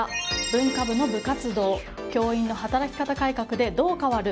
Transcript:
文化部の部活動教員の働き方改革でどう変わる？